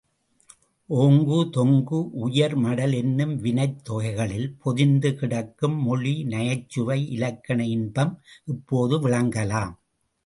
ஓங்கு தெங்கு உயர்மடல் என்னும் வினைத்தொகைகளில் பொதிந்து கிடக்கும் மொழி நயச்சுவை இலக்கண இன்பம் இப்போது விளங்கலாம்.